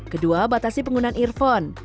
kedua batasi penggunaan earphone